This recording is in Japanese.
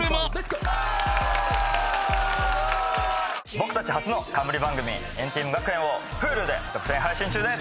僕たち初の冠番組『＆ＴＥＡＭ学園』をＨｕｌｕで独占配信中です！